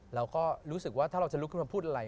เราก็รู้สึกว่าถ้าเราจะลุกขึ้นมาพูดอะไร